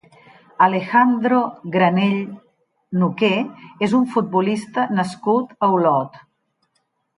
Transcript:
Alejandro Granell Noqué és un futbolista nascut a Olot.